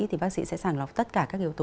thì bác sĩ sẽ sàng lọc tất cả các yếu tố